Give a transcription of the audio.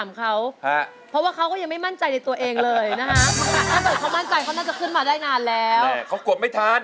ร้านที่๒นะผม